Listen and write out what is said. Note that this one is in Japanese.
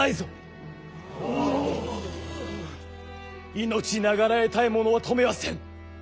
命長らえたい者は止めはせん。